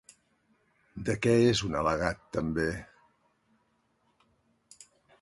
De què és un al·legat també?